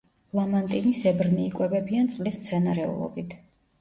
ლამანტინისებრნი იკვებებიან წყლის მცენარეულობით.